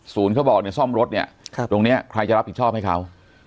ศูนย์เขาบอกในซ่อมรถเนี่ยตรงเนี่ยใครจะรับผิดชอบให้เขา